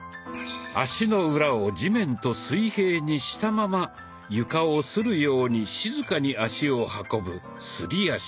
足の裏を地面と水平にしたまま床をするように静かに足を運ぶすり足。